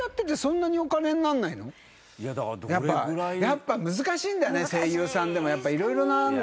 やっぱ難しいんだね声優さんでも色々あるんだね。